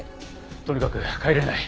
とにかく帰れない。